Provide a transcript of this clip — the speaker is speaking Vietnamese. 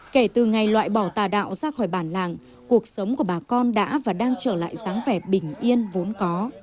kể từ ngày loại bỏ tà đạo ra khỏi bản làng cuộc sống của bà con đã và đang trở lại dáng vẻ bình yên vốn có